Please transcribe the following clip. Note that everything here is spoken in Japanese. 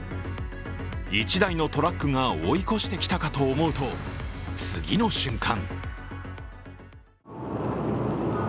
１台のトラックが追い越してきたかと思うと次の瞬間